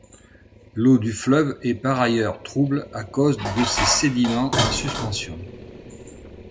L’eau du fleuve est par ailleurs trouble à cause de ces sédiments en suspension.